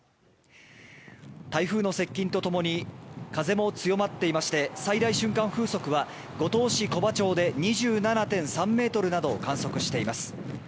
台風の接近と共に風も強まっていまして最大瞬間風速は五島市木場町で２７．３メートルを観測しています。